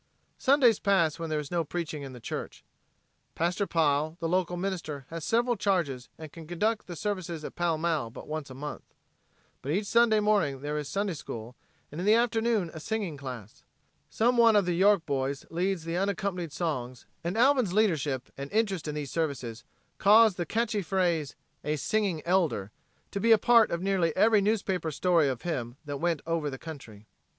Sundays pass when there is no preaching in the church. Pastor Pile, the local minister, has several charges and can conduct the services at Pall Mall but once a month. But each Sunday morning there is Sunday School, and in the afternoon a singing class. Some one of the York boys leads the unaccompanied songs, and Alvin's leadership and interest in these services caused the catchy phrase, "a singing Elder," to be a part of nearly every newspaper story of him that went over the country.